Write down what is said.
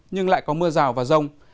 nhưng lại có mưa rào và rông